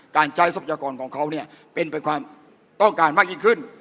การใช้ทรัพยากรของเขาเนี่ยเป็นไปความต้องการมากยิ่งขึ้น